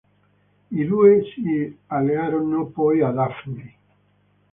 I due si allearono poi a Daffney.